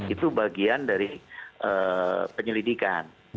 itu bagian dari penyelidikan